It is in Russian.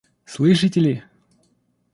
Слышите ли?